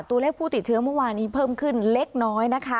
ตัวเลขผู้ติดเชื้อเมื่อวานนี้เพิ่มขึ้นเล็กน้อยนะคะ